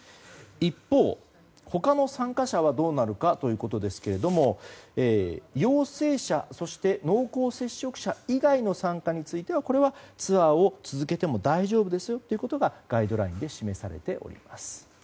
一方、他の参加者はどうなるかですが陽性者、そして濃厚接触者以外の参加についてはツアーを続けても大丈夫ですよということがガイドラインで示されております。